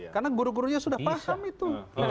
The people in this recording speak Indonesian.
karena guru gurunya sudah paham itu